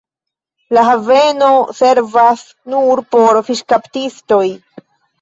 La haveno servas nur por fiŝkaptistoj.